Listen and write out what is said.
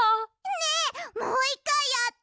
ねえもう１かいやって！